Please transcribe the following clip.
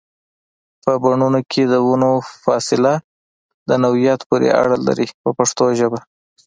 په بڼونو کې د ونو فاصله د نوعیت پورې اړه لري په پښتو ژبه.